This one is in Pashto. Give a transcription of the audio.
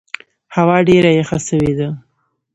هوا ډېره یخه سوې ده.